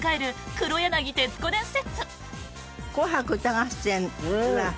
黒柳徹子伝説！